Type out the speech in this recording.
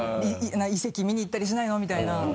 遺跡見に行ったりしないの？みたいな。